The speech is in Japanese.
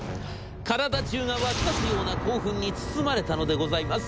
体じゅうが沸き立つような興奮に包まれたのでございます。